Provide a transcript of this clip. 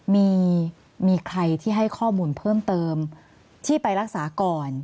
มีใครที่ให้ข้อมูลเพิ่มเติมที่ไปรักษาก่อน